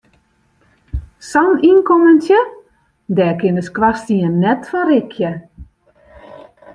Sa'n ynkommentsje, dêr kin de skoarstien net fan rikje.